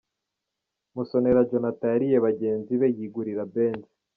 Musonera Jonathan yariye bagenzibe yigurira Benz